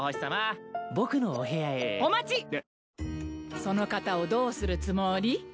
その方をどうするつもり？